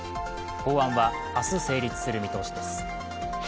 法案は明日、成立する見通しです。